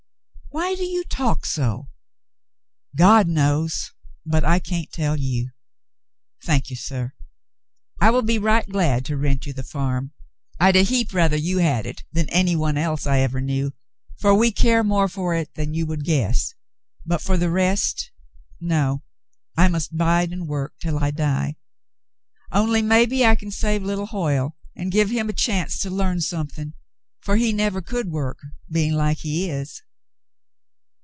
" Why do you talk so ?" "God knows, but I can't tell you. Thank you, suh. I will be right glad to rent you the farm. I'd a heap rather you had it than any one else I ever knew, for we care more for it than you would guess, but for the rest — no. I must bide and work till I die ; only maybe I c^n save little Hoyle and give him a chance to learn something, for he never could work — being like he is."